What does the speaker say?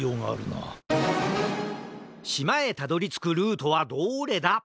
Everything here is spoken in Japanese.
しまへたどりつくルートはどれだ？